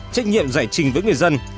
trách nhiệm giải trình với người dân